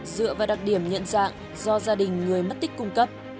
dựa vào đặc điểm nhận dạng do gia đình người mất tích cung cấp